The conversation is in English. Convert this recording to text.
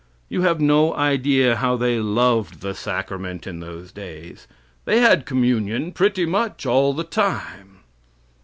You have no idea how they loved the sacrament in those days. They had communion pretty much all the time.